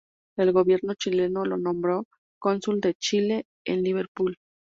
El gobierno chileno lo nombró cónsul de Chile en Liverpool.